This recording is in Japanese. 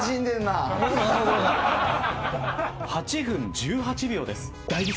８分１８秒です。